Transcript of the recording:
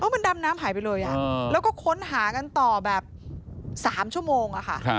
มันดำน้ำหายไปเลยแล้วก็ค้นหากันต่อแบบ๓ชั่วโมงค่ะ